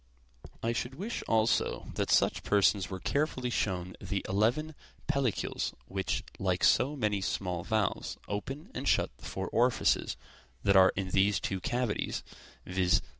I should wish also that such persons were carefully shown the eleven pellicles which, like so many small valves, open and shut the four orifices that are in these two cavities, viz.